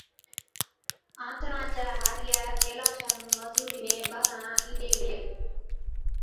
آنٿڻان چَي هارِيئَي ڪيلاشا نُون مزُورِي ۾ ٻارهن اِينڏين ڏِلين۔